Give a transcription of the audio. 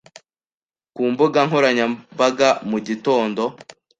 Ku mbuga nkoranyambaga mu gitondo